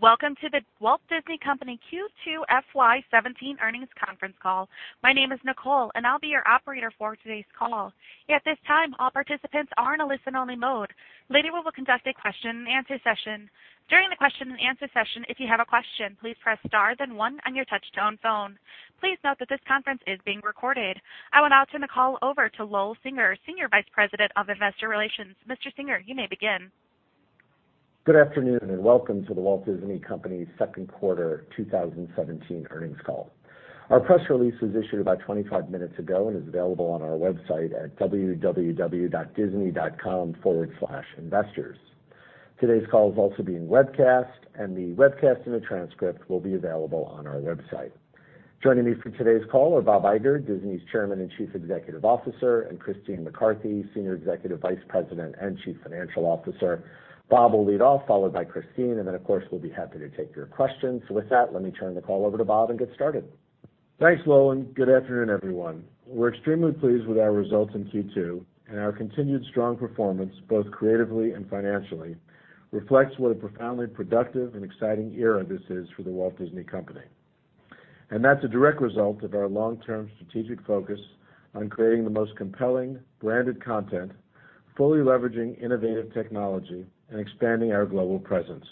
Welcome to The Walt Disney Company Q2 FY 2017 earnings conference call. My name is Nicole and I'll be your operator for today's call. At this time, all participants are in a listen-only mode. Later, we will conduct a question and answer session. During the question and answer session, if you have a question, please press star then one on your touch-tone phone. Please note that this conference is being recorded. I will now turn the call over to Lowell Singer, Senior Vice President of Investor Relations. Mr. Singer, you may begin. Good afternoon, and welcome to The Walt Disney Company's second quarter 2017 earnings call. Our press release was issued about 25 minutes ago and is available on our website at www.disney.com/investors. Today's call is also being webcast, and the webcast and the transcript will be available on our website. Joining me for today's call are Bob Iger, Disney's Chairman and Chief Executive Officer, and Christine McCarthy, Senior Executive Vice President and Chief Financial Officer. Bob will lead off, followed by Christine, and then of course, we'll be happy to take your questions. With that, let me turn the call over to Bob and get started. Thanks, Lowell, and good afternoon, everyone. We're extremely pleased with our results in Q2, and our continued strong performance, both creatively and financially, reflects what a profoundly productive and exciting era this is for The Walt Disney Company. That's a direct result of our long-term strategic focus on creating the most compelling branded content, fully leveraging innovative technology, and expanding our global presence.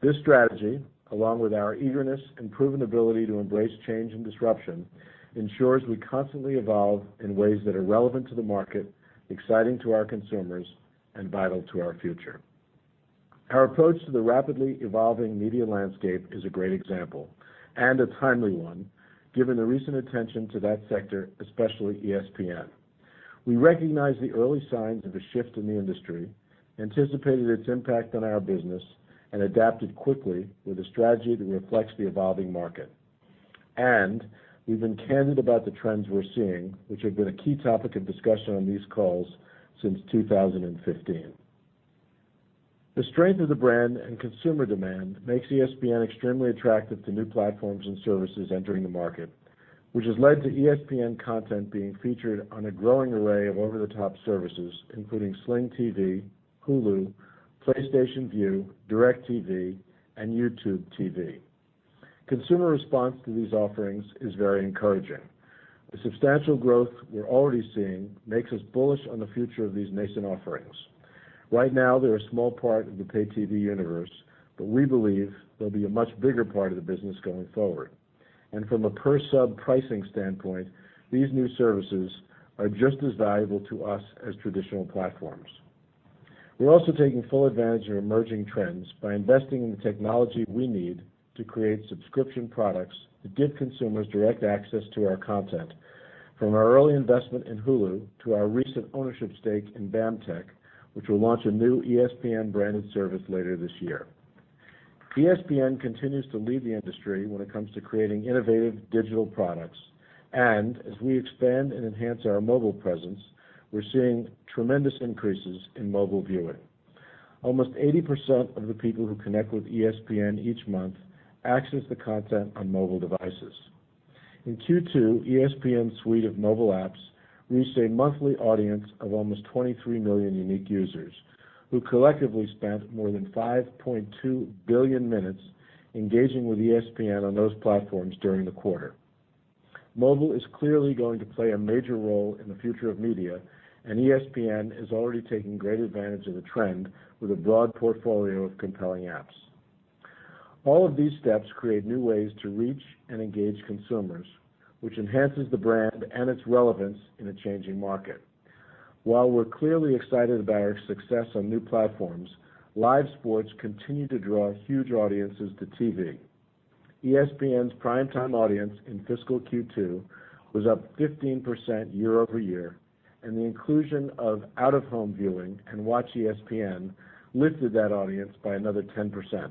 This strategy, along with our eagerness and proven ability to embrace change and disruption, ensures we constantly evolve in ways that are relevant to the market, exciting to our consumers and vital to our future. Our approach to the rapidly evolving media landscape is a great example, and a timely one, given the recent attention to that sector, especially ESPN. We recognize the early signs of a shift in the industry, anticipated its impact on our business, and adapted quickly with a strategy that reflects the evolving market. We've been candid about the trends we're seeing, which have been a key topic of discussion on these calls since 2015. The strength of the brand and consumer demand makes ESPN extremely attractive to new platforms and services entering the market, which has led to ESPN content being featured on a growing array of over-the-top services, including Sling TV, Hulu, PlayStation Vue, DirecTV, and YouTube TV. Consumer response to these offerings is very encouraging. The substantial growth we're already seeing makes us bullish on the future of these nascent offerings. Right now, they're a small part of the pay TV universe, but we believe they'll be a much bigger part of the business going forward. From a per-sub pricing standpoint, these new services are just as valuable to us as traditional platforms. We're also taking full advantage of emerging trends by investing in the technology we need to create subscription products that give consumers direct access to our content, from our early investment in Hulu to our recent ownership stake in BAMTech, which will launch a new ESPN-branded service later this year. ESPN continues to lead the industry when it comes to creating innovative digital products, and as we expand and enhance our mobile presence, we're seeing tremendous increases in mobile viewing. Almost 80% of the people who connect with ESPN each month access the content on mobile devices. In Q2, ESPN's suite of mobile apps reached a monthly audience of almost 23 million unique users, who collectively spent more than 5.2 billion minutes engaging with ESPN on those platforms during the quarter. Mobile is clearly going to play a major role in the future of media, ESPN is already taking great advantage of the trend with a broad portfolio of compelling apps. All of these steps create new ways to reach and engage consumers, which enhances the brand and its relevance in a changing market. While we're clearly excited about our success on new platforms, live sports continue to draw huge audiences to TV. ESPN's prime time audience in fiscal Q2 was up 15% year-over-year, and the inclusion of out-of-home viewing in WatchESPN lifted that audience by another 10%.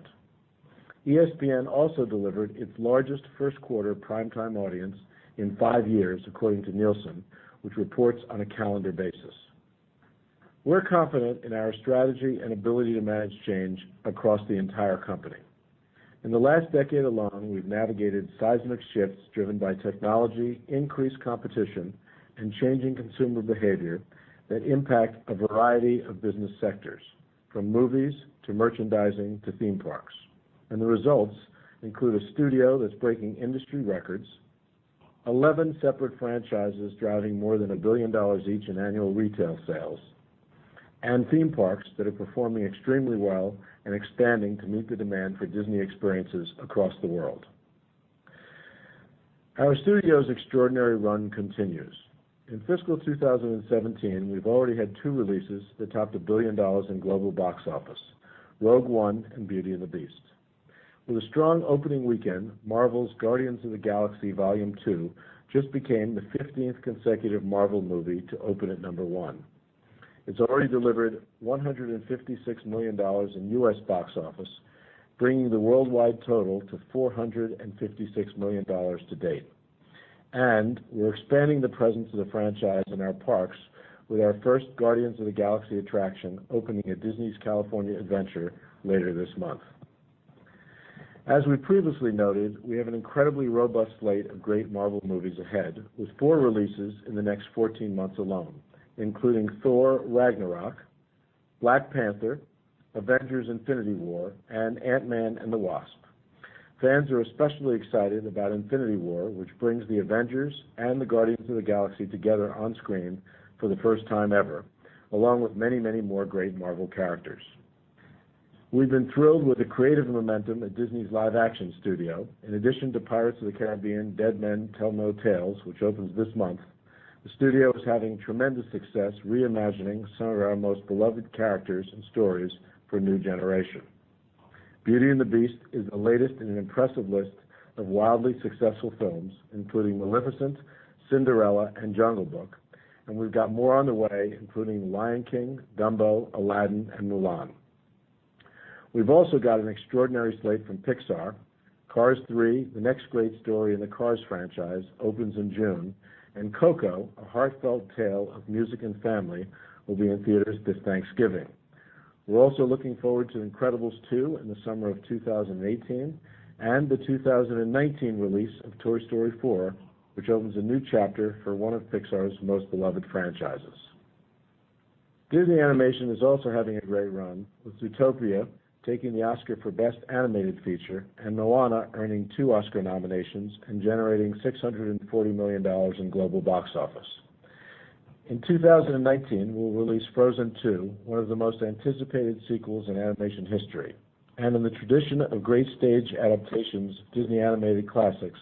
ESPN also delivered its largest first quarter prime time audience in five years, according to Nielsen, which reports on a calendar basis. We're confident in our strategy and ability to manage change across the entire company. In the last decade alone, we've navigated seismic shifts driven by technology, increased competition, and changing consumer behavior that impact a variety of business sectors, from movies to merchandising to theme parks. The results include a studio that's breaking industry records, 11 separate franchises driving more than $1 billion each in annual retail sales, and theme parks that are performing extremely well and expanding to meet the demand for Disney experiences across the world. Our studio's extraordinary run continues. In fiscal 2017, we've already had two releases that topped $1 billion in global box office, Rogue One and Beauty and the Beast. With a strong opening weekend, Marvel's Guardians of the Galaxy Vol. 2 just became the 15th consecutive Marvel movie to open at number one. It's already delivered $156 million in U.S. box office, bringing the worldwide total to $456 million to date. We're expanding the presence of the franchise in our parks with our first Guardians of the Galaxy attraction opening at Disney's California Adventure later this month. As we previously noted, we have an incredibly robust slate of great Marvel movies ahead, with four releases in the next 14 months alone, including Thor: Ragnarok, Black Panther, Avengers: Infinity War, and Ant-Man and the Wasp. Fans are especially excited about Infinity War, which brings the Avengers and the Guardians of the Galaxy together on screen for the first time ever, along with many more great Marvel characters. We've been thrilled with the creative momentum at Disney's live action studio. In addition to Pirates of the Caribbean: Dead Men Tell No Tales, which opens this month, the studio is having tremendous success reimagining some of our most beloved characters and stories for a new generation. Beauty and the Beast is the latest in an impressive list of wildly successful films, including Maleficent, Cinderella, and Jungle Book. We've got more on the way, including The Lion King, Dumbo, Aladdin, and Mulan. We've also got an extraordinary slate from Pixar. Cars 3, the next great story in the Cars franchise, opens in June. Coco, a heartfelt tale of music and family, will be in theaters this Thanksgiving. We're also looking forward to Incredibles 2 in the summer of 2018 and the 2019 release of Toy Story 4, which opens a new chapter for one of Pixar's most beloved franchises. Disney Animation is also having a great run with Zootopia taking the Oscar for Best Animated Feature, Moana earning two Oscar nominations and generating $640 million in global box office. In 2019, we'll release Frozen 2, one of the most anticipated sequels in animation history. In the tradition of great stage adaptations of Disney animated classics,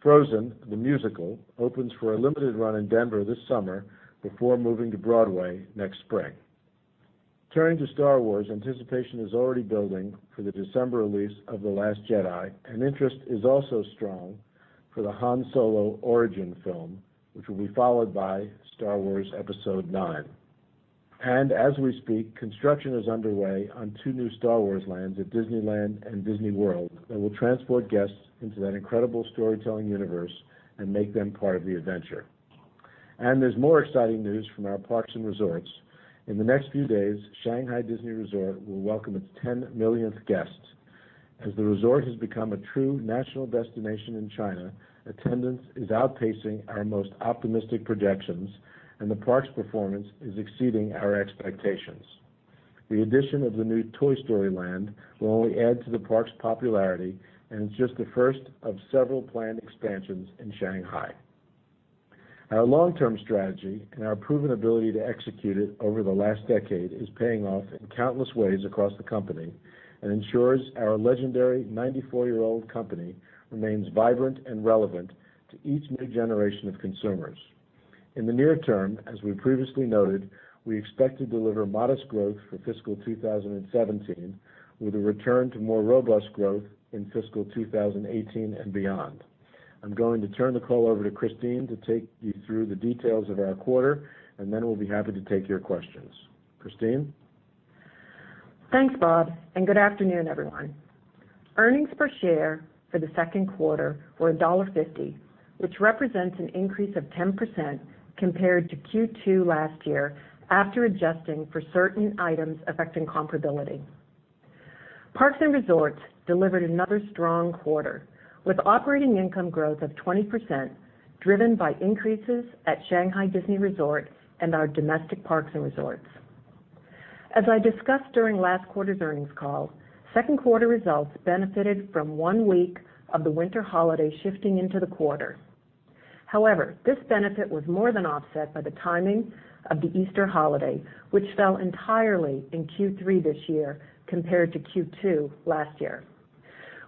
Frozen: The Musical opens for a limited run in Denver this summer before moving to Broadway next spring. Turning to Star Wars, anticipation is already building for the December release of The Last Jedi. Interest is also strong for the Han Solo origin film, which will be followed by Star Wars: Episode IX. As we speak, construction is underway on two new Star Wars lands at Disneyland and Disney World that will transport guests into that incredible storytelling universe and make them part of the adventure. There's more exciting news from our parks and resorts. In the next few days, Shanghai Disney Resort will welcome its 10 millionth guest. As the resort has become a true national destination in China, attendance is outpacing our most optimistic projections, and the park's performance is exceeding our expectations. The addition of the new Toy Story Land will only add to the park's popularity and is just the first of several planned expansions in Shanghai. Our long-term strategy and our proven ability to execute it over the last decade is paying off in countless ways across the company and ensures our legendary 94-year-old company remains vibrant and relevant to each new generation of consumers. In the near term, as we previously noted, we expect to deliver modest growth for fiscal 2017 with a return to more robust growth in fiscal 2018 and beyond. I'm going to turn the call over to Christine to take you through the details of our quarter. Then we'll be happy to take your questions. Christine? Thanks, Bob. Good afternoon, everyone. Earnings per share for the second quarter were $1.50, which represents an increase of 10% compared to Q2 last year after adjusting for certain items affecting comparability. Parks and Resorts delivered another strong quarter, with operating income growth of 20%, driven by increases at Shanghai Disney Resort and our domestic parks and resorts. As I discussed during last quarter's earnings call, second quarter results benefited from one week of the winter holiday shifting into the quarter. However, this benefit was more than offset by the timing of the Easter holiday, which fell entirely in Q3 this year compared to Q2 last year.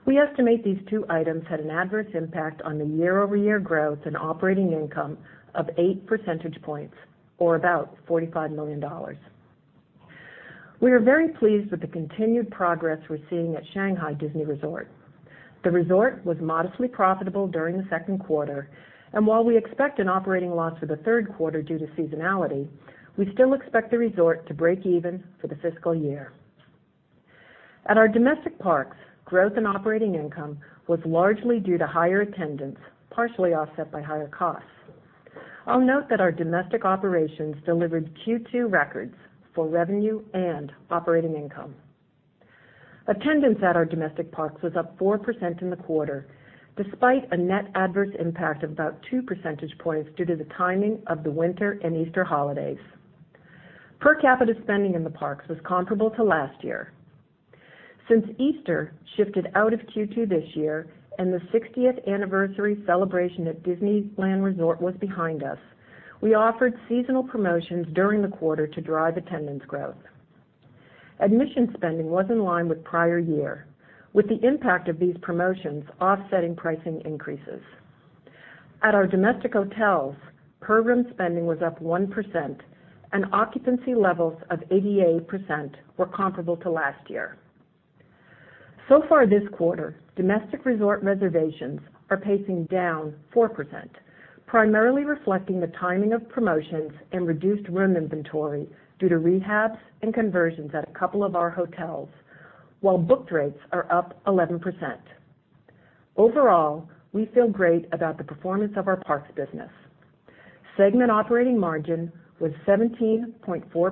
We estimate these two items had an adverse impact on the year-over-year growth and operating income of eight percentage points, or about $45 million. We are very pleased with the continued progress we're seeing at Shanghai Disney Resort. The resort was modestly profitable during the second quarter. While we expect an operating loss for the third quarter due to seasonality, we still expect the resort to break even for the fiscal year. At our domestic parks, growth and operating income was largely due to higher attendance, partially offset by higher costs. I'll note that our domestic operations delivered Q2 records for revenue and operating income. Attendance at our domestic parks was up 4% in the quarter, despite a net adverse impact of about two percentage points due to the timing of the winter and Easter holidays. Per capita spending in the parks was comparable to last year. Since Easter shifted out of Q2 this year and the 60th anniversary celebration at Disneyland Resort was behind us, we offered seasonal promotions during the quarter to drive attendance growth. Admission spending was in line with prior year, with the impact of these promotions offsetting pricing increases. At our domestic hotels, per-room spending was up 1%, and occupancy levels of 88% were comparable to last year. This quarter, domestic resort reservations are pacing down 4%, primarily reflecting the timing of promotions and reduced room inventory due to rehabs and conversions at a couple of our hotels, while booked rates are up 11%. Overall, we feel great about the performance of our parks business. Segment operating margin was 17.4% for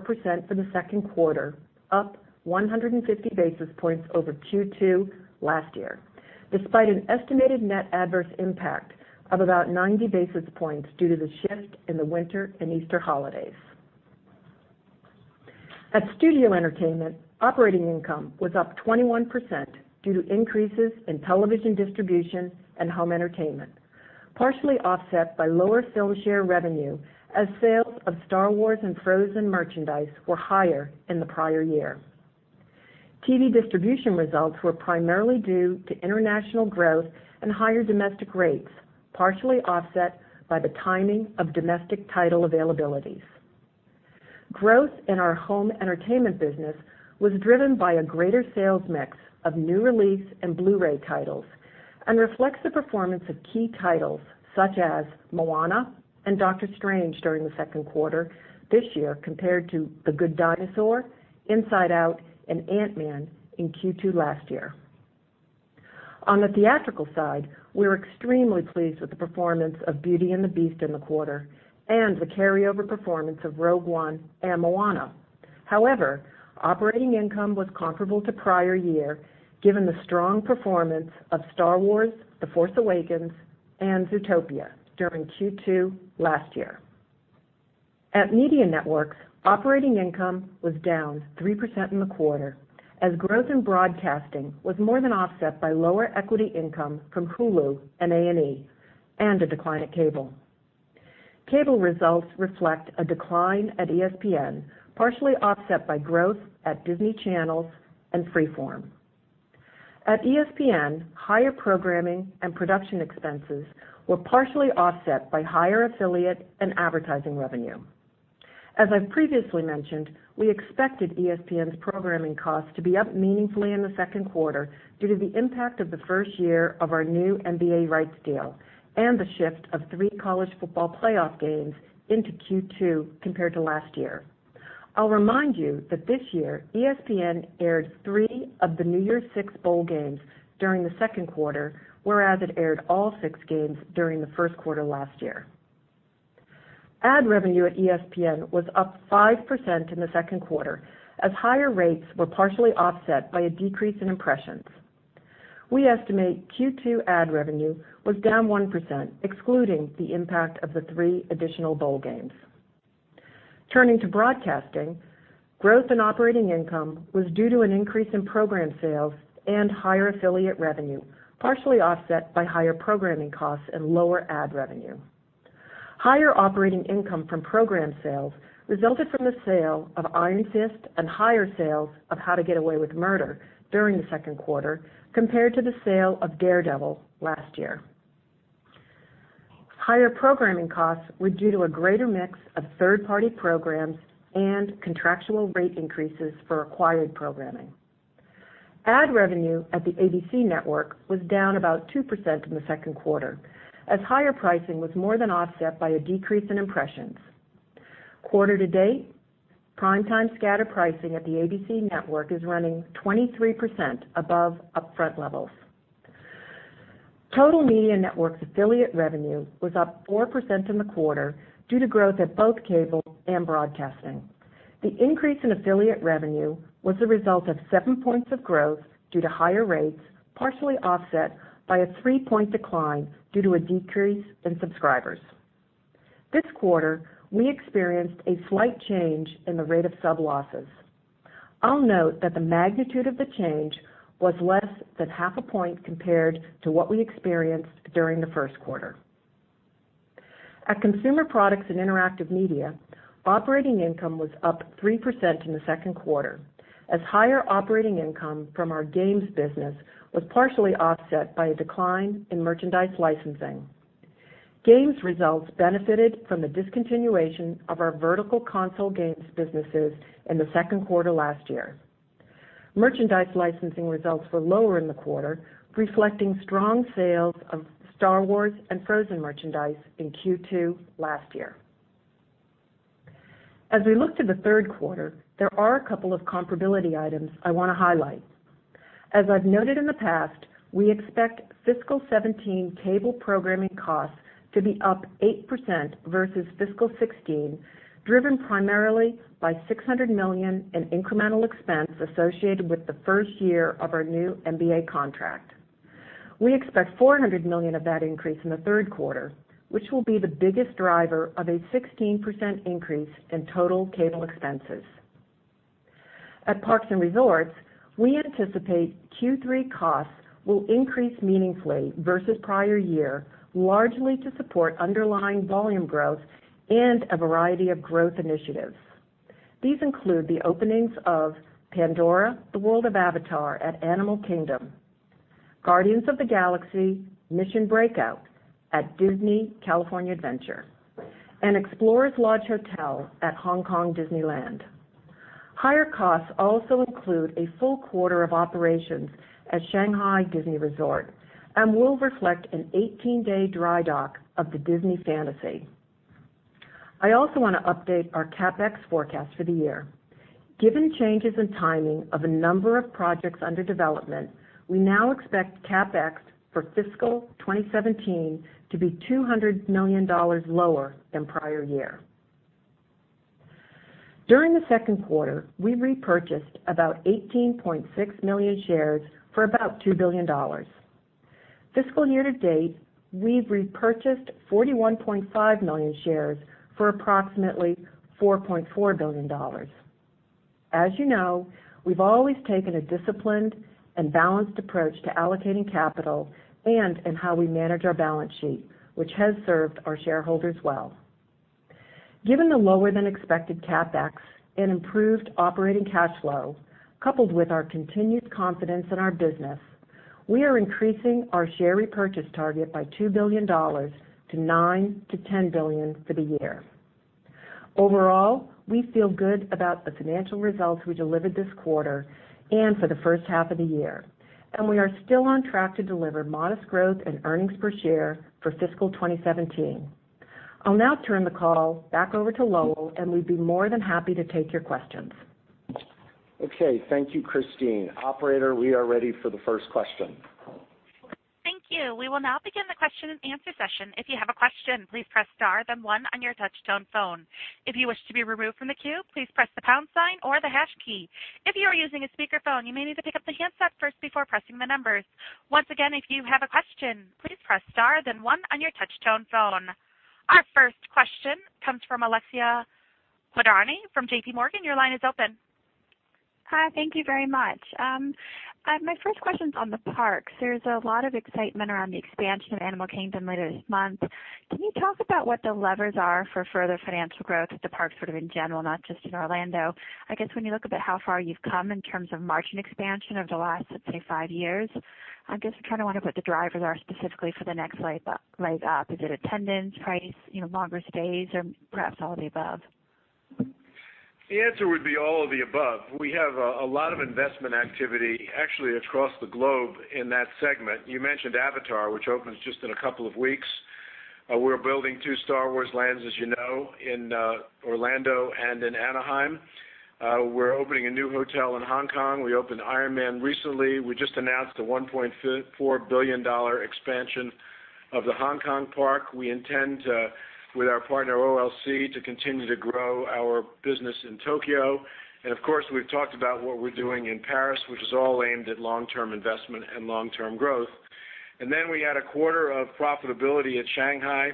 the second quarter, up 150 basis points over Q2 last year, despite an estimated net adverse impact of about 90 basis points due to the shift in the winter and Easter holidays. At Studio Entertainment, operating income was up 21% due to increases in television distribution and home entertainment, partially offset by lower film share revenue as sales of Star Wars and Frozen merchandise were higher than the prior year. TV distribution results were primarily due to international growth and higher domestic rates, partially offset by the timing of domestic title availabilities. Growth in our home entertainment business was driven by a greater sales mix of new release and Blu-ray titles and reflects the performance of key titles such as Moana and Doctor Strange during the second quarter this year compared to The Good Dinosaur, Inside Out, and Ant-Man in Q2 last year. On the theatrical side, we're extremely pleased with the performance of Beauty and the Beast in the quarter and the carryover performance of Rogue One and Moana. Operating income was comparable to prior year, given the strong performance of Star Wars: The Force Awakens and Zootopia during Q2 last year. At Media Networks, operating income was down 3% in the quarter, as growth in broadcasting was more than offset by lower equity income from Hulu and A&E and a decline at cable. Cable results reflect a decline at ESPN, partially offset by growth at Disney Channels and Freeform. At ESPN, higher programming and production expenses were partially offset by higher affiliate and advertising revenue. As I've previously mentioned, I expected ESPN's programming costs to be up meaningfully in the second quarter due to the impact of the first year of our new NBA rights deal and the shift of three college football playoff games into Q2 compared to last year. I'll remind you that this year, ESPN aired three of the New Year's Six bowl games during the second quarter, whereas it aired all six games during the first quarter last year. Ad revenue at ESPN was up 5% in the second quarter as higher rates were partially offset by a decrease in impressions. We estimate Q2 ad revenue was down 1%, excluding the impact of the three additional bowl games. Turning to broadcasting, growth in operating income was due to an increase in program sales and higher affiliate revenue, partially offset by higher programming costs and lower ad revenue. Higher operating income from program sales resulted from the sale of Iron Fist and higher sales of How to Get Away with Murder during the second quarter, compared to the sale of Daredevil last year. Higher programming costs were due to a greater mix of third-party programs and contractual rate increases for acquired programming. Ad revenue at the ABC Network was down about 2% in the second quarter as higher pricing was more than offset by a decrease in impressions. Quarter to date, prime-time scatter pricing at the ABC Network is running 23% above upfront levels. Total Media Networks affiliate revenue was up 4% in the quarter due to growth at both cable and broadcasting. The increase in affiliate revenue was the result of seven points of growth due to higher rates, partially offset by a three-point decline due to a decrease in subscribers. This quarter, we experienced a slight change in the rate of sub losses. I'll note that the magnitude of the change was less than half a point compared to what we experienced during the first quarter. At Consumer Products and Interactive Media, operating income was up 3% in the second quarter as higher operating income from our games business was partially offset by a decline in merchandise licensing. Games results benefited from the discontinuation of our vertical console games businesses in the second quarter last year. Merchandise licensing results were lower in the quarter, reflecting strong sales of Star Wars and Frozen merchandise in Q2 last year. As we look to the third quarter, there are a couple of comparability items I want to highlight. As I've noted in the past, we expect fiscal 2017 cable programming costs to be up 8% versus fiscal 2016, driven primarily by $600 million in incremental expense associated with the first year of our new NBA contract. We expect $400 million of that increase in the third quarter, which will be the biggest driver of a 16% increase in total cable expenses. At Parks and Resorts, we anticipate Q3 costs will increase meaningfully versus the prior year, largely to support underlying volume growth and a variety of growth initiatives. These include the openings of Pandora – The World of Avatar at Animal Kingdom, Guardians of the Galaxy – Mission: Breakout! at Disney California Adventure, and Explorers Lodge Hotel at Hong Kong Disneyland. Higher costs also include a full quarter of operations at Shanghai Disney Resort and will reflect an 18-day dry dock of the Disney Fantasy. I also want to update our CapEx forecast for the year. Given changes in timing of a number of projects under development, we now expect CapEx for fiscal 2017 to be $200 million lower than prior year. During the second quarter, we repurchased about 18.6 million shares for about $2 billion. Fiscal year to date, we've repurchased 41.5 million shares for approximately $4.4 billion. As you know, we've always taken a disciplined and balanced approach to allocating capital and in how we manage our balance sheet, which has served our shareholders well. Given the lower than expected CapEx and improved operating cash flow, coupled with our continued confidence in our business, we are increasing our share repurchase target by $2 billion to $9 billion-$10 billion for the year. Overall, we feel good about the financial results we delivered this quarter and for the first half of the year, and we are still on track to deliver modest growth and earnings per share for fiscal 2017. I'll now turn the call back over to Lowell, and we'd be more than happy to take your questions. Okay. Thank you, Christine. Operator, we are ready for the first question. Thank you. We will now begin the question and answer session. If you have a question, please press star, then one on your touch-tone phone. If you wish to be removed from the queue, please press the pound sign or the hash key. If you are using a speakerphone, you may need to pick up the handset first before pressing the numbers. Once again, if you have a question, please press star, then one on your touch-tone phone. Our first question comes from Alexia Quadrani from J.P. Morgan. Your line is open. Hi. Thank you very much. My first question's on the parks. There's a lot of excitement around the expansion of Animal Kingdom later this month. Can you talk about what the levers are for further financial growth at the parks sort of in general, not just in Orlando? I guess when you look about how far you've come in terms of margin expansion over the last, let's say, five years, I guess I kind of want to put the drivers are specifically for the next leg up. Is it attendance, price, longer stays, or perhaps all of the above? The answer would be all of the above. We have a lot of investment activity actually across the globe in that segment. You mentioned Avatar, which opens just in a couple of weeks. We're building two Star Wars lands, as you know, in Orlando and in Anaheim. We're opening a new hotel in Hong Kong. We opened Iron Man recently. We just announced a $1.4 billion expansion of the Hong Kong park. We intend to, with our partner OLC, to continue to grow our business in Tokyo. Of course, we've talked about what we're doing in Paris, which is all aimed at long-term investment and long-term growth. Then we had a quarter of profitability at Shanghai.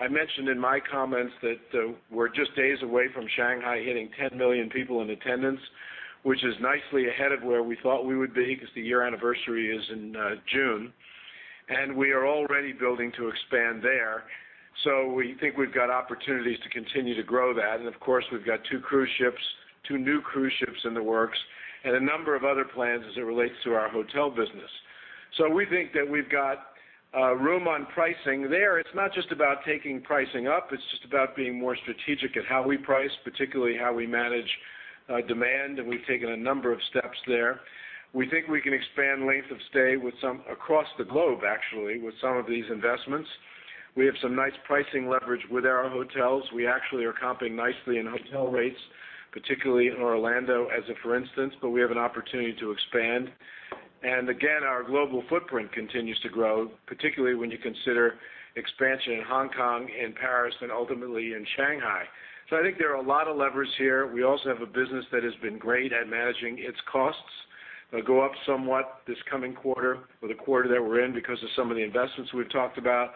I mentioned in my comments that we're just days away from Shanghai hitting 10 million people in attendance, which is nicely ahead of where we thought we would be because the year anniversary is in June, we are already building to expand there. We think we've got opportunities to continue to grow that. Of course, we've got two cruise ships, two new cruise ships in the works and a number of other plans as it relates to our hotel business. We think that we've got room on pricing there. It's not just about taking pricing up, it's just about being more strategic at how we price, particularly how we manage demand, we've taken a number of steps there. We think we can expand length of stay with some across the globe, actually, with some of these investments. We have some nice pricing leverage with our hotels. We actually are comping nicely in hotel rates, particularly in Orlando as a for instance, but we have an opportunity to expand. Again, our global footprint continues to grow, particularly when you consider expansion in Hong Kong and Paris and ultimately in Shanghai. I think there are a lot of levers here. We also have a business that has been great at managing its costs. It'll go up somewhat this coming quarter or the quarter that we're in because of some of the investments we've talked about,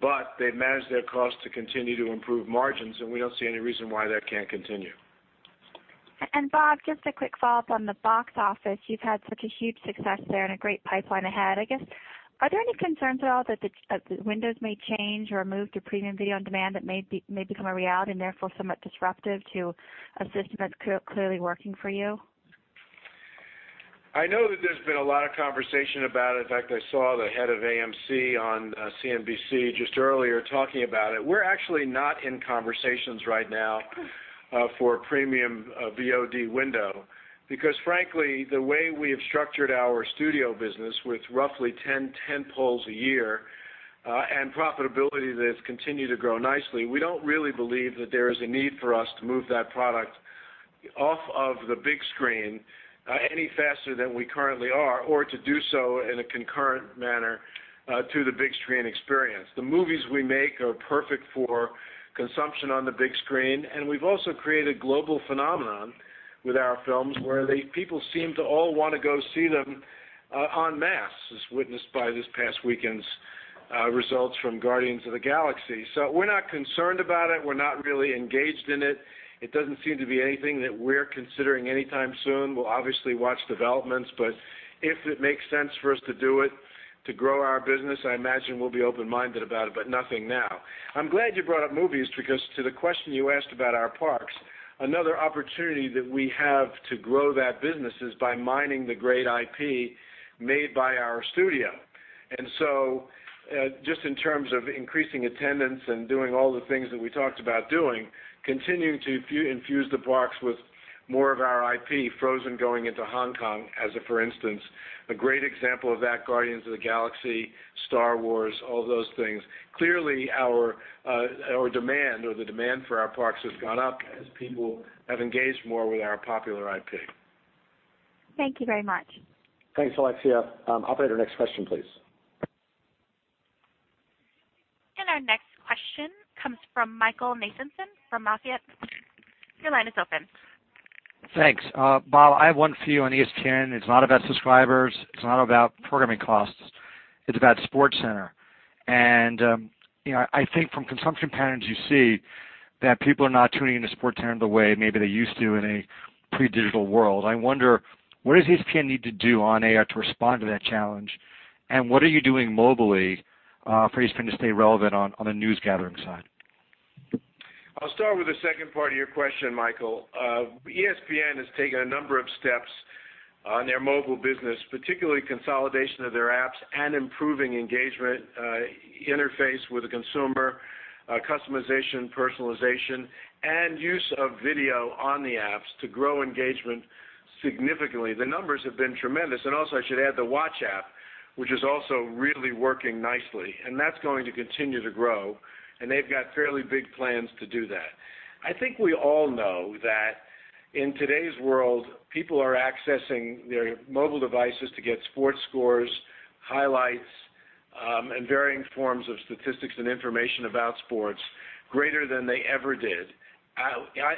but they've managed their cost to continue to improve margins, and we don't see any reason why that can't continue. Bob, just a quick follow-up on the box office. You've had such a huge success there and a great pipeline ahead. I guess, are there any concerns at all that the windows may change or move to premium video on demand that may become a reality and therefore somewhat disruptive to a system that's clearly working for you? I know that there's been a lot of conversation about it. In fact, I saw the head of AMC on CNBC just earlier talking about it. We're actually not in conversations right now for a premium VOD window because frankly, the way we have structured our studio business with roughly 10 tentpoles a year and profitability that has continued to grow nicely, we don't really believe that there is a need for us to move that product off of the big screen any faster than we currently are or to do so in a concurrent manner to the big screen experience. The movies we make are perfect for consumption on the big screen, and we've also created global phenomenon with our films where people seem to all want to go see them en masse, as witnessed by this past weekend's results from "Guardians of the Galaxy." We're not concerned about it. We're not really engaged in it. It doesn't seem to be anything that we're considering anytime soon. We'll obviously watch developments, but if it makes sense for us to do it, to grow our business, I imagine we'll be open-minded about it, but nothing now. I'm glad you brought up movies because to the question you asked about our parks, another opportunity that we have to grow that business is by mining the great IP made by our studio. Just in terms of increasing attendance and doing all the things that we talked about doing, continuing to infuse the parks with More of our IP, Frozen going into Hong Kong as a for instance. A great example of that, Guardians of the Galaxy, Star Wars, all those things. Clearly, our demand or the demand for our parks has gone up as people have engaged more with our popular IP. Thank you very much. Thanks, Alexia. Operator, next question, please. Our next question comes from Michael Nathanson from MoffettNathanson. Your line is open. Thanks. Bob, I have one for you on ESPN. It's not about subscribers, it's not about programming costs, it's about SportsCenter. I think from consumption patterns, you see that people are not tuning into SportsCenter the way maybe they used to in a pre-digital world. I wonder, what does ESPN need to do, on AI, to respond to that challenge, and what are you doing mobily for ESPN to stay relevant on the news gathering side? I'll start with the second part of your question, Michael. ESPN has taken a number of steps on their mobile business, particularly consolidation of their apps and improving engagement, interface with the consumer, customization, personalization, and use of video on the apps to grow engagement significantly. The numbers have been tremendous. Also, I should add the Watch app, which is also really working nicely, that's going to continue to grow, and they've got fairly big plans to do that. I think we all know that in today's world, people are accessing their mobile devices to get sports scores, highlights, and varying forms of statistics and information about sports greater than they ever did.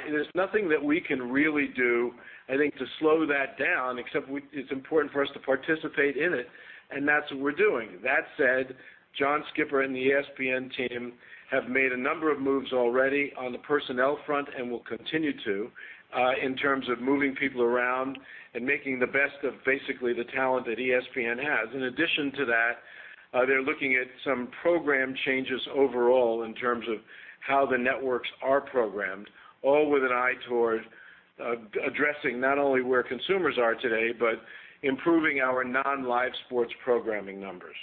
There's nothing that we can really do, I think, to slow that down, except it's important for us to participate in it, and that's what we're doing. That said, John Skipper and the ESPN team have made a number of moves already on the personnel front and will continue to in terms of moving people around and making the best of basically the talent that ESPN has. In addition to that, they're looking at some program changes overall in terms of how the networks are programmed, all with an eye toward addressing not only where consumers are today, but improving our non-live sports programming numbers.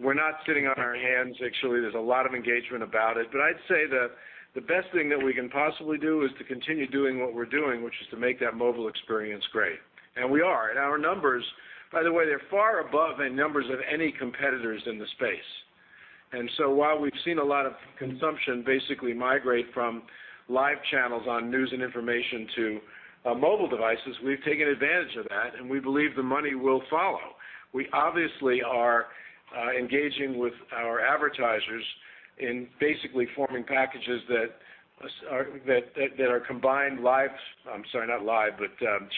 We're not sitting on our hands. Actually, there's a lot of engagement about it. I'd say that the best thing that we can possibly do is to continue doing what we're doing, which is to make that mobile experience great, and we are. Our numbers, by the way, they're far above the numbers of any competitors in the space. While we've seen a lot of consumption basically migrate from live channels on news and information to mobile devices, we've taken advantage of that, and we believe the money will follow. We obviously are engaging with our advertisers in basically forming packages that are combined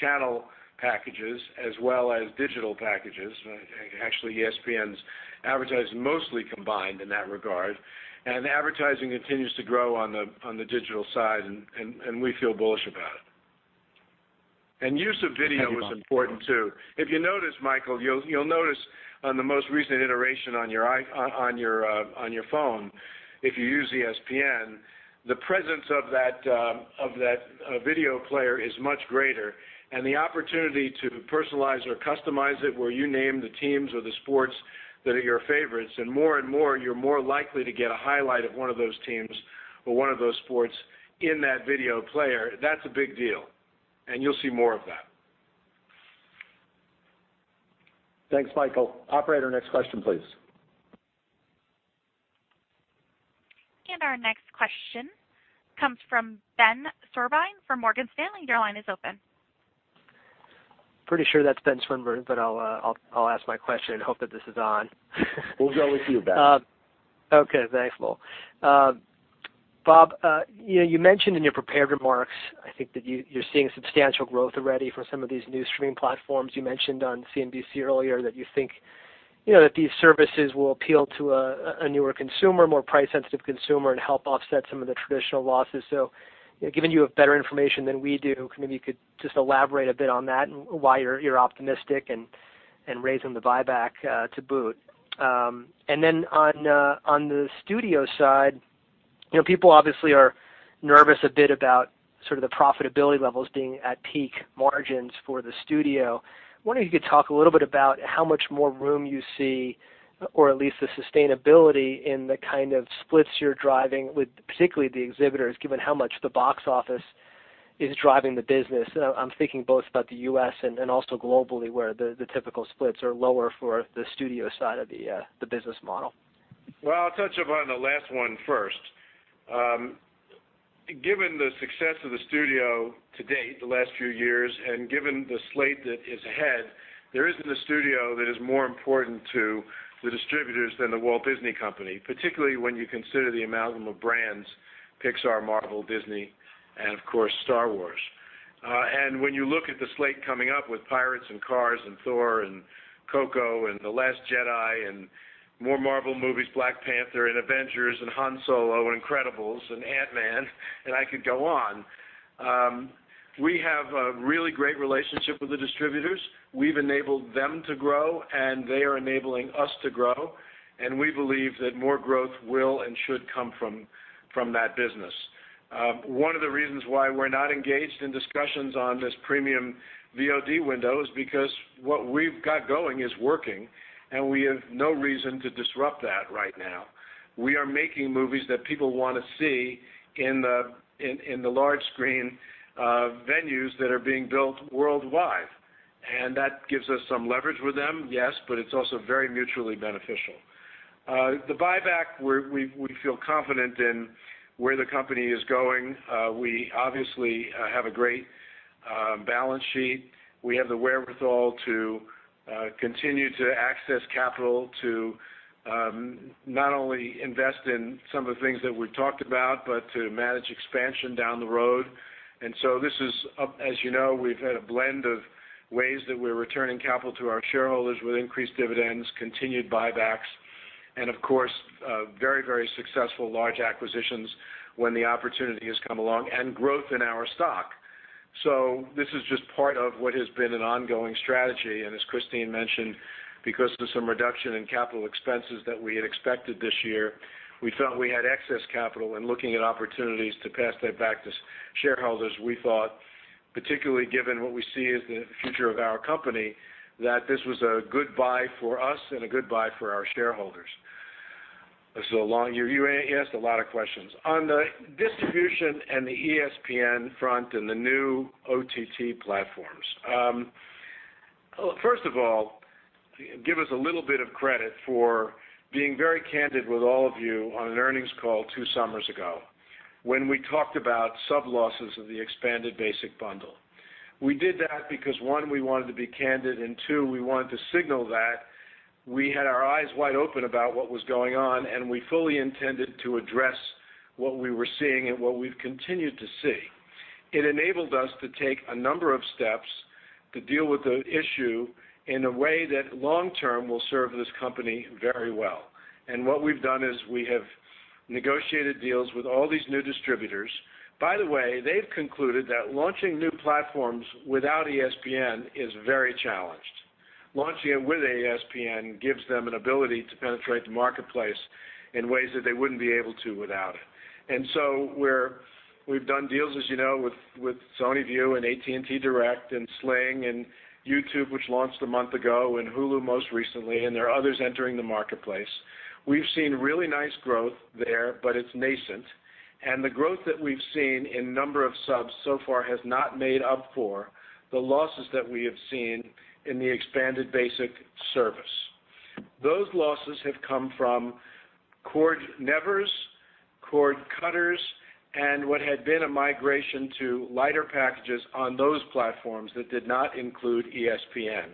channel packages as well as digital packages. Actually, ESPN's advertised mostly combined in that regard, advertising continues to grow on the digital side, and we feel bullish about it. Use of video is important, too. If you notice, Michael, you'll notice on the most recent iteration on your phone, if you use ESPN, the presence of that video player is much greater, and the opportunity to personalize or customize it, where you name the teams or the sports that are your favorites, and more and more, you're more likely to get a highlight of one of those teams or one of those sports in that video player. That's a big deal, and you'll see more of that. Thanks, Michael. Operator, next question, please. Our next question comes from Benjamin Swinburne from Morgan Stanley. Your line is open. Pretty sure that's Benjamin Swinburne, but I'll ask my question and hope that this is on. We'll go with you, Ben. Okay. Thanks, Paul. Bob, you mentioned in your prepared remarks, I think that you're seeing substantial growth already for some of these new streaming platforms. You mentioned on CNBC earlier that you think that these services will appeal to a newer consumer, more price-sensitive consumer, and help offset some of the traditional losses. Given you have better information than we do, maybe you could just elaborate a bit on that and why you're optimistic and raising the buyback to boot. On the studio side, people obviously are nervous a bit about the profitability levels being at peak margins for the studio. Wondering if you could talk a little bit about how much more room you see or at least the sustainability in the kind of splits you're driving with particularly the exhibitors, given how much the box office is driving the business. I'm thinking both about the U.S. and also globally, where the typical splits are lower for the studio side of the business model. Well, I'll touch upon the last one first. Given the success of the studio to date, the last few years, and given the slate that is ahead, there isn't a studio that is more important to the distributors than The Walt Disney Company, particularly when you consider the amalgam of brands Pixar, Marvel, Disney, and of course, Star Wars. When you look at the slate coming up with Pirates and Cars and Thor and Coco and The Last Jedi and more Marvel movies, Black Panther and Avengers and Han Solo and Incredibles and Ant-Man, and I could go on. We have a really great relationship with the distributors. We've enabled them to grow, and they are enabling us to grow, and we believe that more growth will and should come from that business. One of the reasons why we're not engaged in discussions on this premium VOD window is because what we've got going is working, and we have no reason to disrupt that right now. We are making movies that people want to see in the large screen venues that are being built worldwide. That gives us some leverage with them, yes, but it's also very mutually beneficial. The buyback, we feel confident in where the company is going. We obviously have a great balance sheet. We have the wherewithal to continue to access capital to not only invest in some of the things that we've talked about, but to manage expansion down the road. This is, as you know, we've had a blend of ways that we're returning capital to our shareholders with increased dividends, continued buybacks, and, of course, very successful large acquisitions when the opportunity has come along, and growth in our stock. This is just part of what has been an ongoing strategy. As Christine mentioned, because of some reduction in capital expenses that we had expected this year, we felt we had excess capital and looking at opportunities to pass that back to shareholders. We thought, particularly given what we see as the future of our company, that this was a good buy for us and a good buy for our shareholders. So long. You asked a lot of questions. On the distribution and the ESPN front and the new OTT platforms. First of all, give us a little bit of credit for being very candid with all of you on an earnings call two summers ago when we talked about sub-losses of the expanded basic bundle. We did that because, one, we wanted to be candid, and two, we wanted to signal that we had our eyes wide open about what was going on, and we fully intended to address what we were seeing and what we've continued to see. It enabled us to take a number of steps to deal with the issue in a way that long-term will serve this company very well. What we've done is we have negotiated deals with all these new distributors. By the way, they've concluded that launching new platforms without ESPN is very challenged. Launching it with ESPN gives them an ability to penetrate the marketplace in ways that they wouldn't be able to without it. We've done deals, as you know, with PlayStation Vue and DirecTV Now and Sling and YouTube, which launched a month ago, and Hulu most recently, and there are others entering the marketplace. We've seen really nice growth there, but it's nascent. The growth that we've seen in number of subs so far has not made up for the losses that we have seen in the expanded basic service. Those losses have come from cord nevers, cord cutters, and what had been a migration to lighter packages on those platforms that did not include ESPN.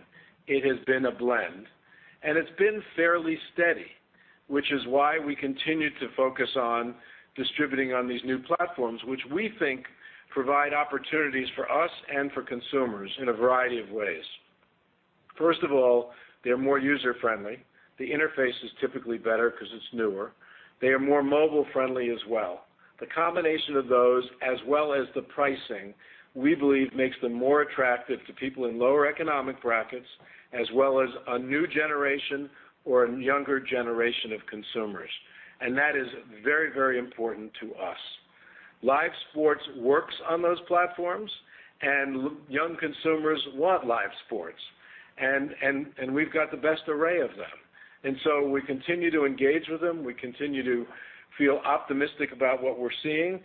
It has been a blend, and it's been fairly steady, which is why we continue to focus on distributing on these new platforms, which we think provide opportunities for us and for consumers in a variety of ways. First of all, they're more user-friendly. The interface is typically better because it's newer. They are more mobile-friendly as well. The combination of those, as well as the pricing, we believe, makes them more attractive to people in lower economic brackets, as well as a new generation or a younger generation of consumers. That is very important to us. Live sports works on those platforms, and young consumers want live sports. We've got the best array of them. We continue to engage with them. We continue to feel optimistic about what we're seeing.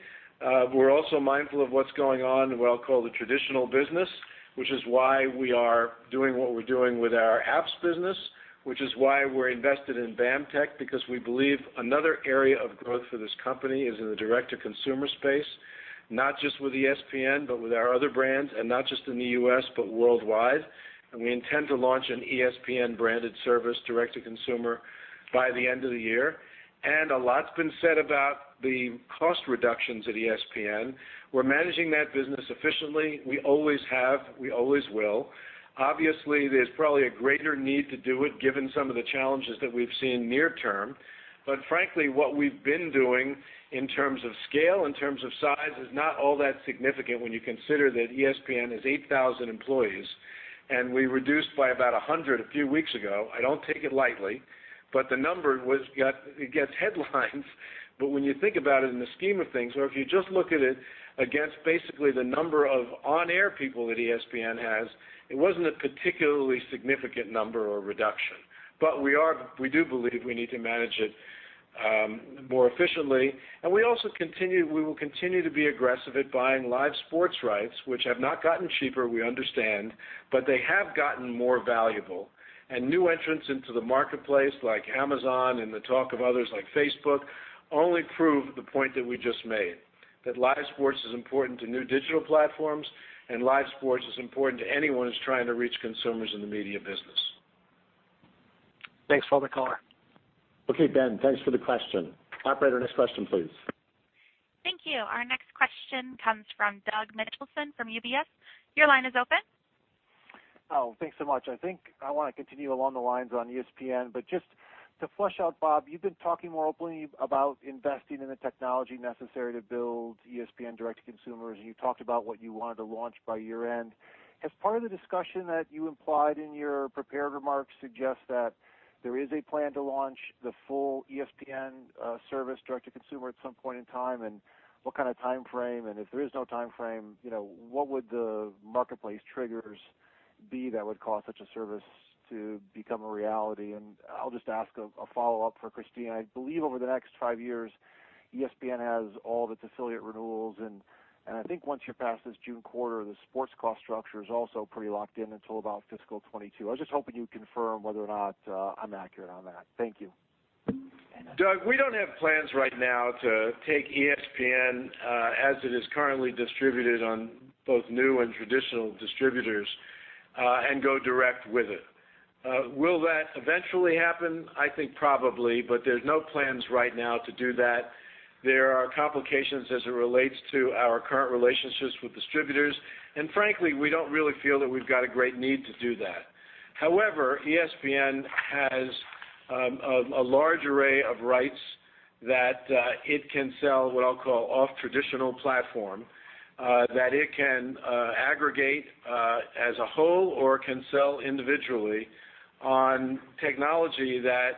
We're also mindful of what's going on in what I'll call the traditional business, which is why we are doing what we're doing with our apps business, which is why we're invested in BAMTech, because we believe another area of growth for this company is in the direct-to-consumer space, not just with ESPN, but with our other brands, and not just in the U.S., but worldwide. We intend to launch an ESPN-branded service direct to consumer by the end of the year. A lot's been said about the cost reductions at ESPN. We're managing that business efficiently. We always have, we always will. Obviously, there's probably a greater need to do it given some of the challenges that we've seen near term. Frankly, what we've been doing in terms of scale, in terms of size, is not all that significant when you consider that ESPN has 8,000 employees, and we reduced by about 100 a few weeks ago. I don't take it lightly, the number, it gets headlines. When you think about it in the scheme of things, or if you just look at it against basically the number of on-air people that ESPN has, it wasn't a particularly significant number or reduction. We do believe we need to manage it more efficiently. We will continue to be aggressive at buying live sports rights, which have not gotten cheaper, we understand, but they have gotten more valuable. New entrants into the marketplace, like Amazon and the talk of others like Facebook, only prove the point that we just made, that live sports is important to new digital platforms, and live sports is important to anyone who's trying to reach consumers in the media business. Thanks for the color. Okay, Ben, thanks for the question. Operator, next question, please. Thank you. Our next question comes from Doug Mitchelson from UBS. Your line is open. Thanks so much. I think I want to continue along the lines on ESPN, but just to flesh out, Bob, you've been talking more openly about investing in the technology necessary to build ESPN direct to consumers, and you talked about what you wanted to launch by year-end. Has part of the discussion that you implied in your prepared remarks suggest that there is a plan to launch the full ESPN service direct to consumer at some point in time, and what kind of timeframe? If there is no timeframe, what would the marketplace triggers be that would cause such a service to become a reality? I'll just ask a follow-up for Christine. I believe over the next five years, ESPN has all of its affiliate renewals, and I think once you're past this June quarter, the sports cost structure is also pretty locked in until about fiscal 2022. I was just hoping you'd confirm whether or not I'm accurate on that. Thank you. Doug, we don't have plans right now to take ESPN as it is currently distributed on both new and traditional distributors and go direct with it. Will that eventually happen? I think probably, but there's no plans right now to do that. There are complications as it relates to our current relationships with distributors. Frankly, we don't really feel that we've got a great need to do that. However, ESPN has a large array of rights that it can sell, what I'll call off traditional platform, that it can aggregate as a whole or can sell individually on technology that,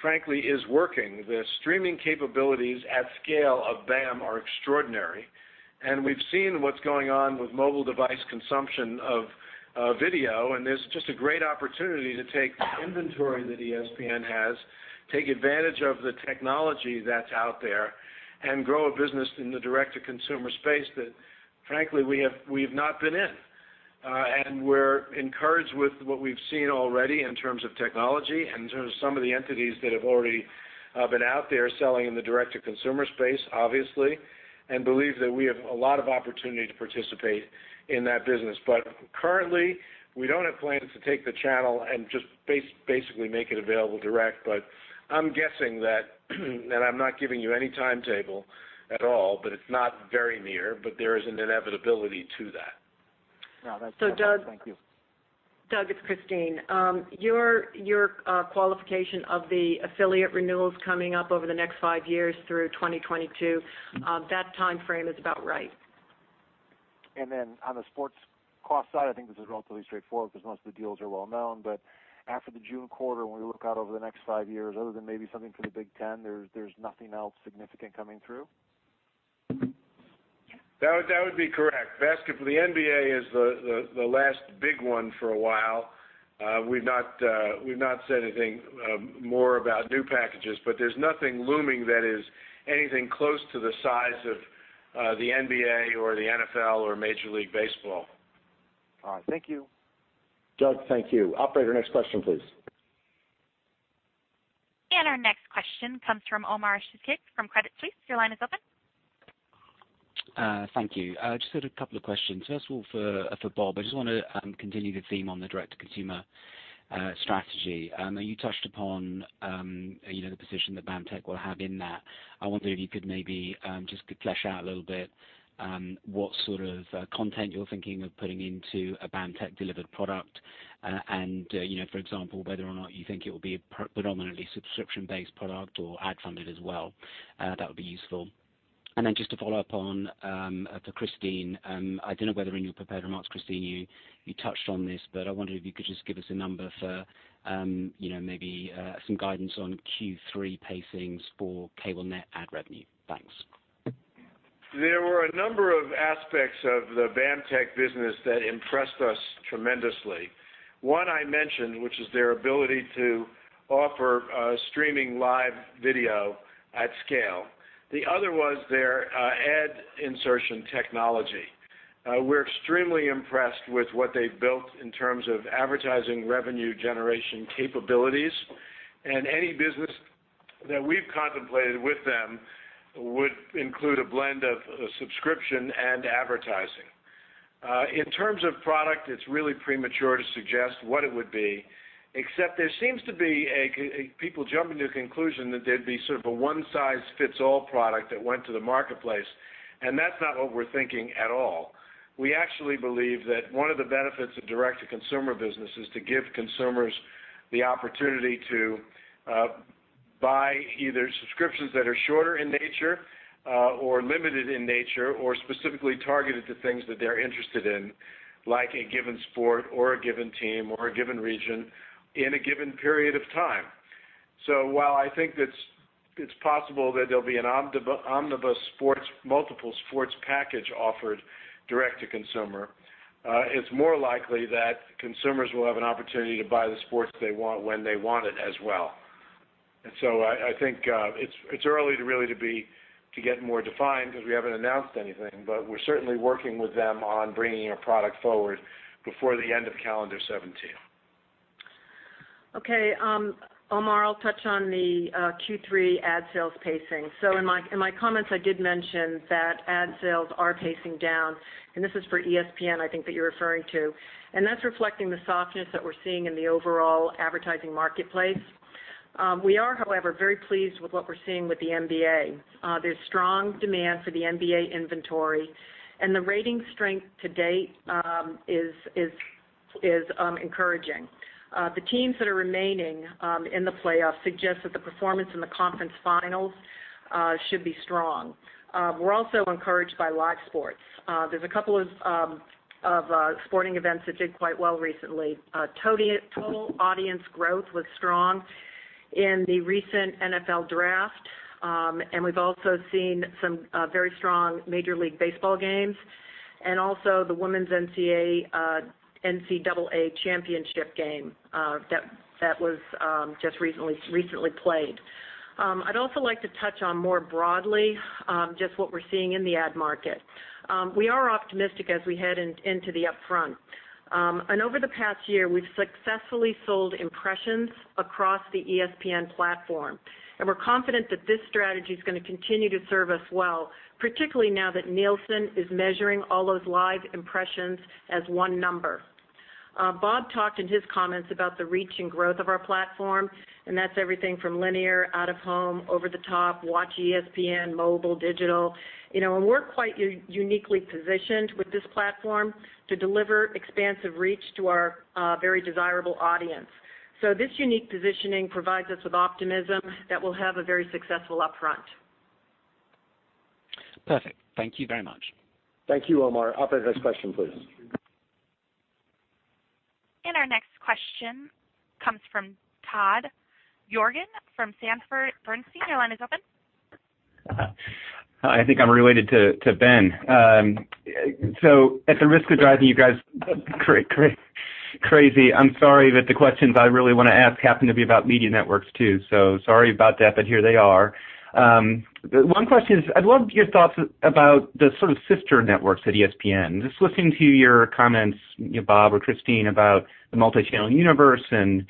frankly, is working. The streaming capabilities at scale of BAMTech are extraordinary, and we've seen what's going on with mobile device consumption of video, and there's just a great opportunity to take the inventory that ESPN has, take advantage of the technology that's out there, and grow a business in the direct-to-consumer space that, frankly, we have not been in. We're encouraged with what we've seen already in terms of technology and in terms of some of the entities that have already been out there selling in the direct-to-consumer space, obviously, and believe that we have a lot of opportunity to participate in that business. Currently, we don't have plans to take the channel and just basically make it available direct, but I'm guessing that, and I'm not giving you any timetable at all, but it's not very near, but there is an inevitability to that. No, that's helpful. Thank you. Doug, it's Christine. Your qualification of the affiliate renewals coming up over the next five years through 2022, that timeframe is about right. On the sports cost side, I think this is relatively straightforward because most of the deals are well-known, but after the June quarter, when we look out over the next five years, other than maybe something for the Big Ten, there's nothing else significant coming through? Yes. That would be correct. Basket for the NBA is the last big one for a while. We've not said anything more about new packages, but there's nothing looming that is anything close to the size of the NBA or the NFL or Major League Baseball. All right. Thank you. Doug, thank you. Operator, next question, please. Our next question comes from Omar Sheikh from Credit Suisse. Your line is open. Thank you. Just had a couple of questions. First of all, for Bob, I just want to continue the theme on the direct-to-consumer strategy. You touched upon the position that BAMTech will have in that. I wonder if you could maybe just flesh out a little bit what sort of content you're thinking of putting into a BAMTech delivered product and, for example, whether or not you think it will be a predominantly subscription-based product or ad funded as well. That would be useful. Then just to follow up on, for Christine, I don't know whether in your prepared remarks, Christine, you touched on this, but I wonder if you could just give us a number for maybe some guidance on Q3 pacings for cable net ad revenue. Thanks. There were a number of aspects of the BAMTech business that impressed us tremendously. One I mentioned, which is their ability to offer streaming live video at scale. The other was their ad insertion technology. We're extremely impressed with what they've built in terms of advertising revenue generation capabilities. Any business that we've contemplated with them would include a blend of subscription and advertising. In terms of product, it's really premature to suggest what it would be, except there seems to be people jumping to conclusion that there'd be sort of a one-size-fits-all product that went to the marketplace, and that's not what we're thinking at all. We actually believe that one of the benefits of direct-to-consumer business is to give consumers the opportunity to buy either subscriptions that are shorter in nature or limited in nature or specifically targeted to things that they're interested in, like a given sport or a given team or a given region in a given period of time. While I think it's possible that there'll be an omnibus multiple sports package offered direct to consumer, it's more likely that consumers will have an opportunity to buy the sports they want when they want it as well. So I think it's early really to get more defined because we haven't announced anything, but we're certainly working with them on bringing a product forward before the end of calendar 2017. Omar, I'll touch on the Q3 ad sales pacing. In my comments, I did mention that ad sales are pacing down, and this is for ESPN, I think that you're referring to. That's reflecting the softness that we're seeing in the overall advertising marketplace. We are, however, very pleased with what we're seeing with the NBA. There's strong demand for the NBA inventory, and the rating strength to date is encouraging. The teams that are remaining in the playoff suggest that the performance in the conference finals should be strong. We're also encouraged by live sports. There's a couple of sporting events that did quite well recently. Total audience growth was strong in the recent NFL draft, and we've also seen some very strong Major League Baseball games, and also the women's NCAA championship game that was just recently played. I'd also like to touch on more broadly just what we're seeing in the ad market. We are optimistic as we head into the upfront. Over the past year, we've successfully sold impressions across the ESPN platform, and we're confident that this strategy's going to continue to serve us well, particularly now that Nielsen is measuring all those live impressions as one number. Bob talked in his comments about the reach and growth of our platform, and that's everything from linear, out of home, over-the-top, WatchESPN, mobile, digital. We're quite uniquely positioned with this platform to deliver expansive reach to our very desirable audience. This unique positioning provides us with optimism that we'll have a very successful upfront. Perfect. Thank you very much. Thank you, Omar. Operator, next question, please. Our next question comes from Todd Juenger from Sanford Bernstein. Your line is open. I think I'm related to Ben. At the risk of driving you guys crazy, I'm sorry that the questions I really want to ask happen to be about media networks, too. Sorry about that, but here they are. One question is, I'd love your thoughts about the sort of sister networks at ESPN. Just listening to your comments, Bob or Christine, about the multi-channel universe and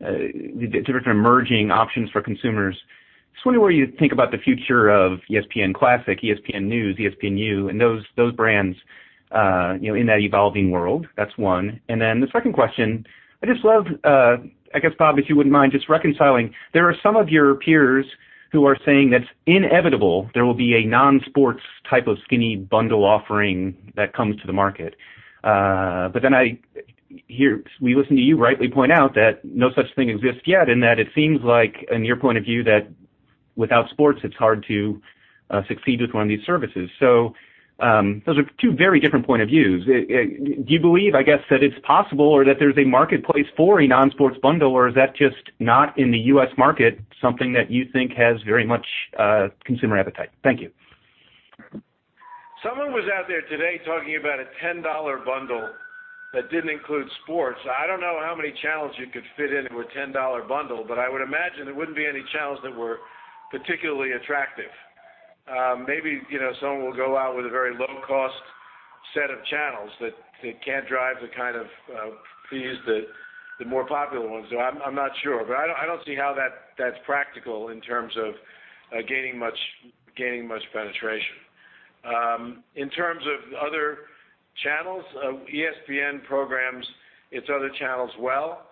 the different emerging options for consumers. Just wondering what you think about the future of ESPN Classic, ESPNEWS, ESPNU, and those brands in that evolving world. That's one. Then the second question, I'd just love, I guess, Bob, if you wouldn't mind just reconciling. There are some of your peers who are saying that it's inevitable there will be a non-sports type of skinny bundle offering that comes to the market. We listen to you rightly point out that no such thing exists yet, and that it seems like, in your point of view, that without sports, it's hard to succeed with one of these services. Those are two very different point of views. Do you believe that it's possible or that there's a marketplace for a non-sports bundle, or is that just not in the U.S. market something that you think has very much consumer appetite? Thank you. Someone was out there today talking about a $10 bundle that didn't include sports. I don't know how many channels you could fit into a $10 bundle, but I would imagine there wouldn't be any channels that were particularly attractive. Maybe someone will go out with a very low-cost set of channels that can't drive the kind of fees that the more popular ones do. I'm not sure, but I don't see how that's practical in terms of gaining much penetration. In terms of other channels, ESPN programs its other channels well.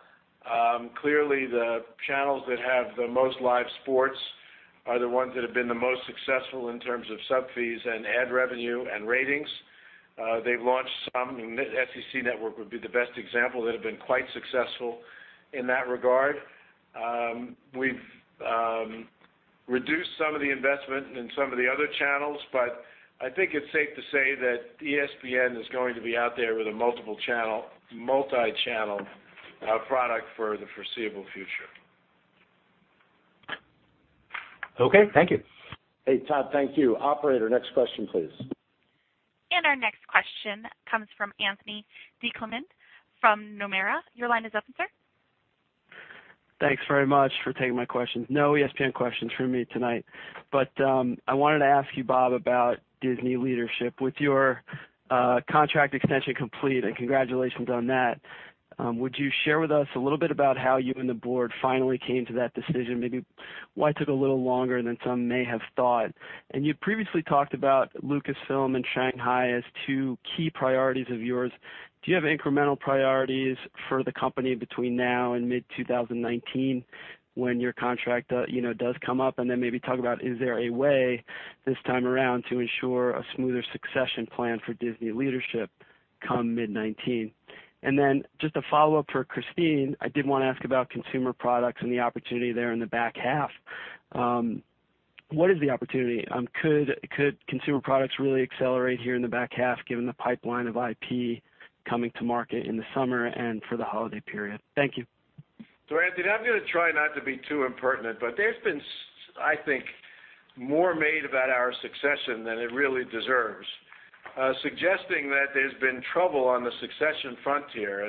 Clearly, the channels that have the most live sports are the ones that have been the most successful in terms of sub fees and ad revenue and ratings. They've launched some, SEC Network would be the best example, that have been quite successful in that regard. We've reduced some of the investment in some of the other channels, but I think it's safe to say that ESPN is going to be out there with a multi-channel product for the foreseeable future. Okay. Thank you. Hey, Todd. Thank you. Operator, next question, please. Our next question comes from Anthony DiClemente from Nomura. Your line is open, sir. Thanks very much for taking my questions. No ESPN questions from me tonight. I wanted to ask you, Bob, about Disney leadership. With your contract extension complete, congratulations on that, would you share with us a little bit about how you and the board finally came to that decision, maybe why it took a little longer than some may have thought? You previously talked about Lucasfilm and Shanghai as two key priorities of yours. Do you have incremental priorities for the company between now and mid-2019 when your contract does come up? Maybe talk about is there a way this time around to ensure a smoother succession plan for Disney leadership come mid 2019? Just a follow-up for Christine, I did want to ask about consumer products and the opportunity there in the back half. What is the opportunity? Could consumer products really accelerate here in the back half given the pipeline of IP coming to market in the summer and for the holiday period? Thank you. Anthony, I'm going to try not to be too impertinent, there's been, I think, more made about our succession than it really deserves, suggesting that there's been trouble on the succession frontier.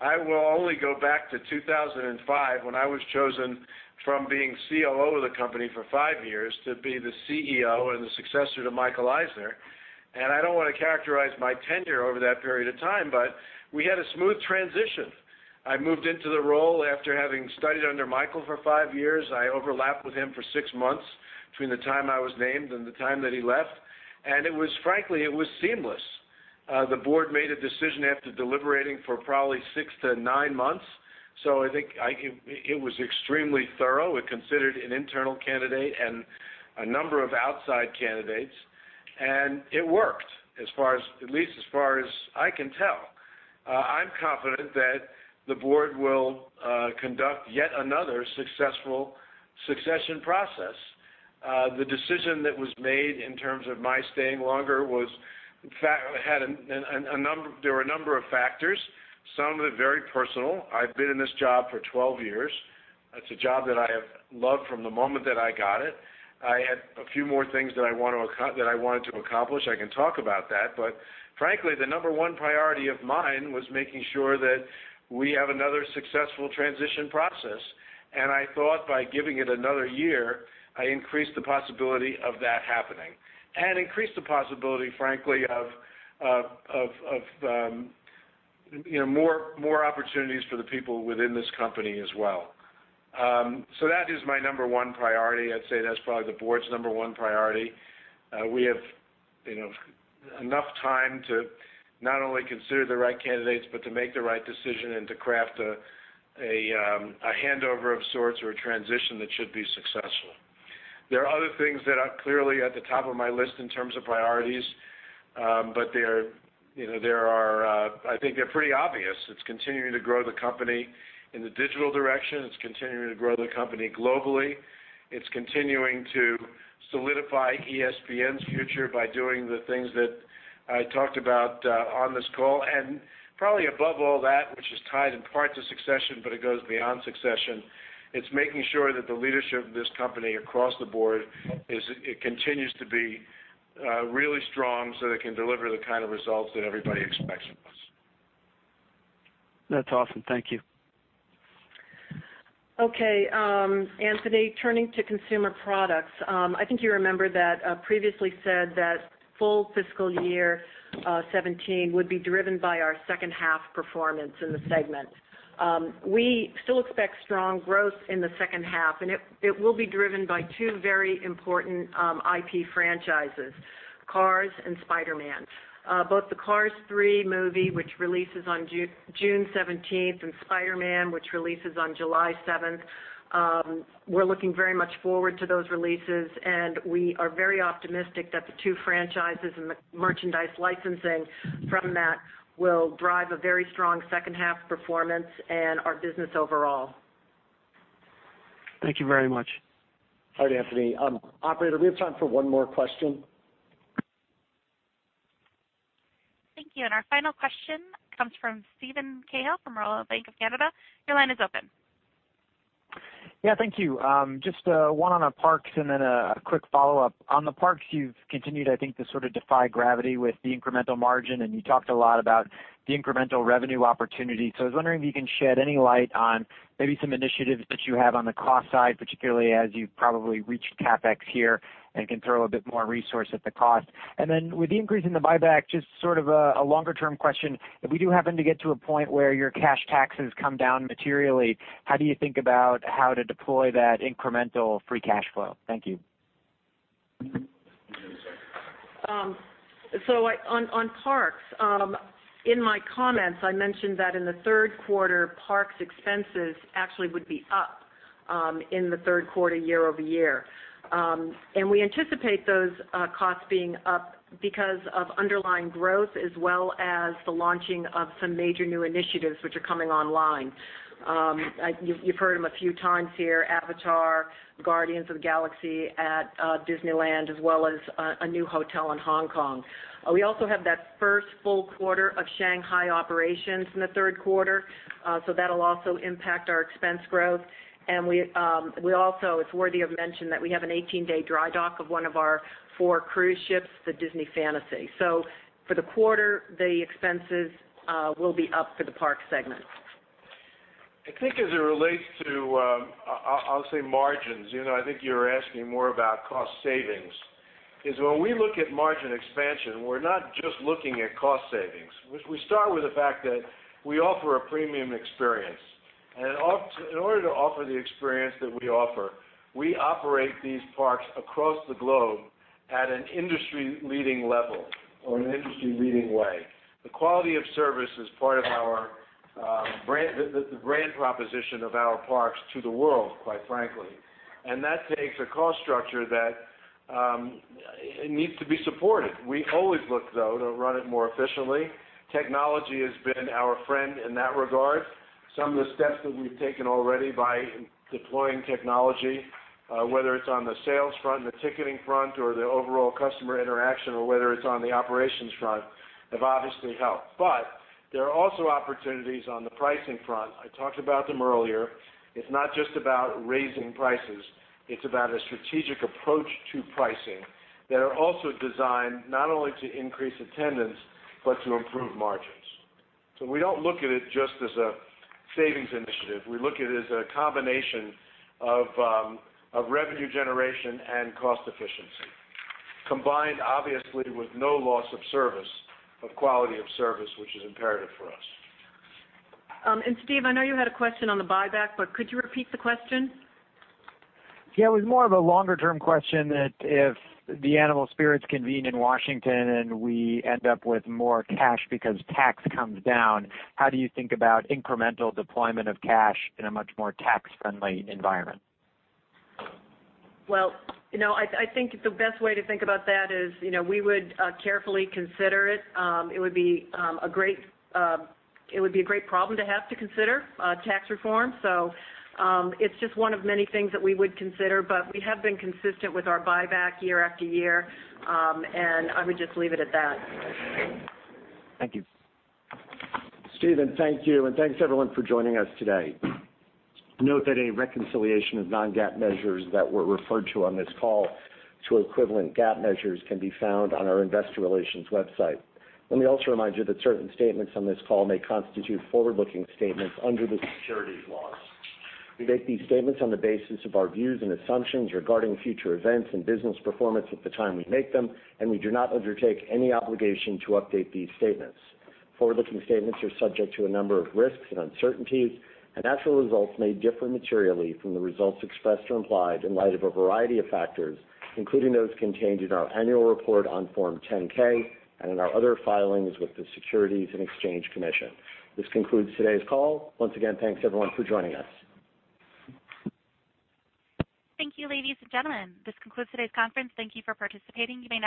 I will only go back to 2005, when I was chosen from being COO of the company for five years to be the CEO and the successor to Michael Eisner. I don't want to characterize my tenure over that period of time, we had a smooth transition. I moved into the role after having studied under Michael for five years. I overlapped with him for six months between the time I was named and the time that he left. Frankly, it was seamless. The board made a decision after deliberating for probably six to nine months, I think it was extremely thorough. It considered an internal candidate and a number of outside candidates, it worked, at least as far as I can tell. I'm confident that the board will conduct yet another successful succession process. The decision that was made in terms of my staying longer, there were a number of factors, some of it very personal. I've been in this job for 12 years. It's a job that I have loved from the moment that I got it. I had a few more things that I wanted to accomplish. I can talk about that, frankly, the number one priority of mine was making sure that we have another successful transition process. I thought by giving it another year, I increased the possibility of that happening and increased the possibility, frankly, of more opportunities for the people within this company as well. That is my number one priority. I'd say that's probably the board's number one priority. We have enough time to not only consider the right candidates, but to make the right decision and to craft a handover of sorts or a transition that should be successful. There are other things that are clearly at the top of my list in terms of priorities. I think they're pretty obvious. It's continuing to grow the company in the digital direction. It's continuing to grow the company globally. It's continuing to solidify ESPN's future by doing the things that I talked about on this call, probably above all that, which is tied in part to succession, but it goes beyond succession. It's making sure that the leadership of this company across the board continues to be really strong so they can deliver the kind of results that everybody expects from us. That's awesome. Thank you. Okay. Anthony, turning to consumer products, I think you remember that previously said that full fiscal year 2017 would be driven by our second half performance in the segment. We still expect strong growth in the second half. It will be driven by two very important IP franchises, Cars and Spider-Man. Both the Cars 3 movie, which releases on June 17th, and Spider-Man, which releases on July 7th. We're looking very much forward to those releases. We are very optimistic that the two franchises and the merchandise licensing from that will drive a very strong second-half performance and our business overall. Thank you very much. All right, Anthony. Operator, we have time for one more question. Thank you. Our final question comes from Steven Cahall from Royal Bank of Canada. Your line is open. Thank you. Just one on the parks, then a quick follow-up. On the parks, you've continued, I think, to sort of defy gravity with the incremental margin, you talked a lot about the incremental revenue opportunity. I was wondering if you can shed any light on maybe some initiatives that you have on the cost side, particularly as you've probably reached CapEx here and can throw a bit more resource at the cost. Then with the increase in the buyback, just sort of a longer-term question, if we do happen to get to a point where your cash taxes come down materially, how do you think about how to deploy that incremental free cash flow? Thank you. On parks, in my comments, I mentioned that in the third quarter, parks expenses actually would be up in the third quarter year-over-year. We anticipate those costs being up because of underlying growth as well as the launching of some major new initiatives which are coming online. You've heard them a few times here, Avatar, Guardians of the Galaxy at Disneyland, as well as a new hotel in Hong Kong. We also have that first full quarter of Shanghai operations in the third quarter, that'll also impact our expense growth. It's worthy of mention that we have an 18-day dry dock of one of our four cruise ships, the Disney Fantasy. For the quarter, the expenses will be up for the park segment. I think as it relates to, I'll say margins, I think you're asking more about cost savings, is when we look at margin expansion, we're not just looking at cost savings. We start with the fact that we offer a premium experience. In order to offer the experience that we offer, we operate these parks across the globe at an industry-leading level or an industry-leading way. The quality of service is part of the brand proposition of our parks to the world, quite frankly. That takes a cost structure that needs to be supported. We always look, though, to run it more efficiently. Technology has been our friend in that regard. Some of the steps that we've taken already by deploying technology, whether it's on the sales front, the ticketing front, or the overall customer interaction, or whether it's on the operations front, have obviously helped. There are also opportunities on the pricing front. I talked about them earlier. It's not just about raising prices. It's about a strategic approach to pricing that are also designed not only to increase attendance but to improve margins. We don't look at it just as a savings initiative. We look at it as a combination of revenue generation and cost efficiency, combined obviously with no loss of service, of quality of service, which is imperative for us. Steve, I know you had a question on the buyback, but could you repeat the question? Yeah, it was more of a longer-term question that if the animal spirits convene in Washington and we end up with more cash because tax comes down, how do you think about incremental deployment of cash in a much more tax-friendly environment? I think the best way to think about that is we would carefully consider it. It would be a great problem to have to consider tax reform. It's just one of many things that we would consider, we have been consistent with our buyback year after year, and I would just leave it at that. Thank you. Steven, thank you, thanks, everyone, for joining us today. Note that any reconciliation of non-GAAP measures that were referred to on this call to equivalent GAAP measures can be found on our investor relations website. Let me also remind you that certain statements on this call may constitute forward-looking statements under the securities laws. We make these statements on the basis of our views and assumptions regarding future events and business performance at the time we make them, we do not undertake any obligation to update these statements. Forward-looking statements are subject to a number of risks and uncertainties, actual results may differ materially from the results expressed or implied in light of a variety of factors, including those contained in our annual report on Form 10-K and in our other filings with the Securities and Exchange Commission. This concludes today's call. Once again, thanks everyone for joining us. Thank you, ladies and gentlemen. This concludes today's conference. Thank you for participating. You may now disconnect.